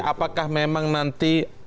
apakah memang nanti